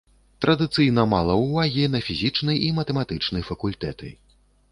Традыцыйна мала ўвагі на фізічны і матэматычны факультэты.